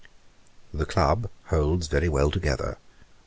'THE CLUB holds very well together.